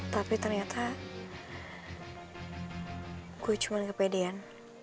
tapi ternyata gue cuma kepedean